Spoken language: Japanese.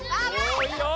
おいいよ。